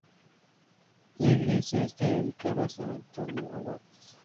La iglesia está dedicada a san Antonio Abad.